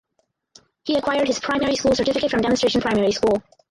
He acquired his primary school certificate from Demonstration primary school.